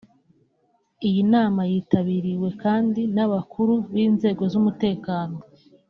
Iyi nama yitabiriwe kandi n’abakuru b’inzego z’umutekano